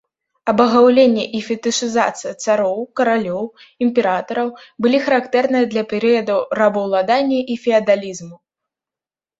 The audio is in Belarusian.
Абагаўленне і фетышызацыя цароў, каралёў, імператараў былі характэрныя для перыядаў рабаўладання і феадалізму.